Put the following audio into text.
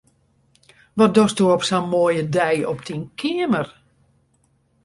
Wat dochsto op sa'n moaie dei op dyn keamer?